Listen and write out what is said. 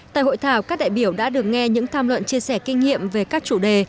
tại hội thảo các đại biểu đã được nghe những tham luận chia sẻ kinh nghiệm về các chủ đề